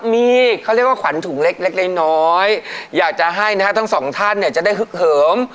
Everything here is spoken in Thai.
มีเป็นควันถุงเล็กเล็กเล็กน้อยอยากจะให้นะครับทั้งสองท่านเนี่ยจะได้เหิดเผิม